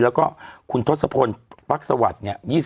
แล้วก็คุณทศพลวักษวรรดิ